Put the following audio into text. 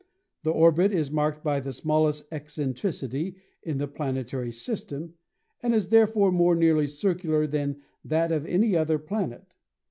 The orbit is marked by the smallest eccentricity in the planetary system, and is therefore more nearly cir cular than that of any other planet.